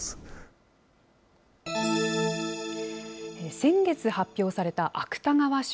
先月発表された芥川賞。